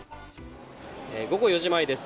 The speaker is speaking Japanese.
午後４時前です。